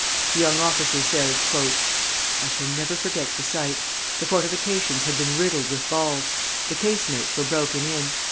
The young officer says, "I shall never forget the sight. The fortifications had been riddled with balls; the casemates were broken in.